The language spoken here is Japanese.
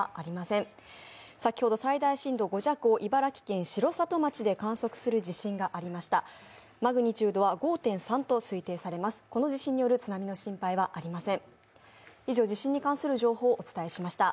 先ほど最大震度５弱を茨城県城里町で観測する地震がありました。